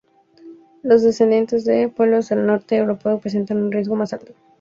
Los descendientes de pueblos del norte europeo presentan un riesgo más alto.